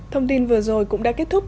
thông tin vừa rồi cũng đã kết thúc